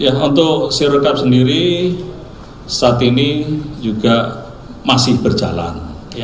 ya untuk zero cup sendiri saat ini juga masih berjalan